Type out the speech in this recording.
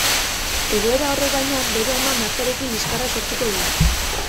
Egoera horrek baina, bere ama Martarekin liskarra sortuko du.